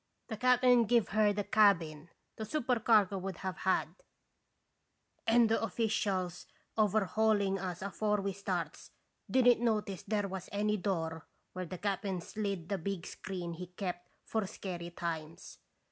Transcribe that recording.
The cap'n give her the cabin the supercargo would have had, and the officials overhauling us afore we starts did n't notice there was any door where the cap'n slid the big screen he kept for scary times.